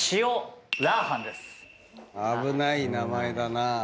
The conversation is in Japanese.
危ない名前だな。